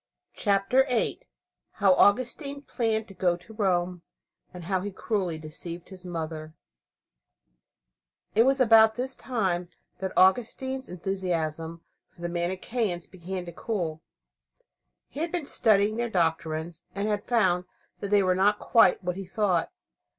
CHAPTER VIII HOW AUGUSTINE PLANNED TO GO TO ROME, AND HOW HE CRUELLY DECEIVED HIS MOTHER It was about this time that Augustine's enthusiasm for the Manicheans began to cool. He had been studying their doctrines, and had found that they were not quite what he thought.